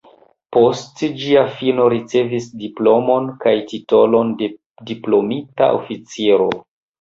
Post ĝia fino ricevis diplomon kaj titolon de diplomita oficiro.